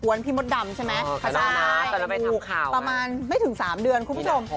พี่มดดำใช่ไหมประมาณไม่ถึง๓เดือนคุณผู้ชม